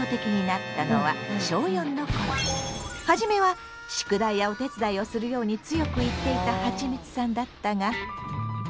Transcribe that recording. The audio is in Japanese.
はじめは宿題やお手伝いをするように強く言っていたはちみつさんだったが。